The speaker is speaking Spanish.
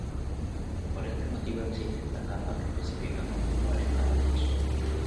Por este motivo existe esta capa que especifica cómo actuar en cada caso.